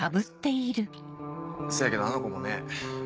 せやけどあの子もね。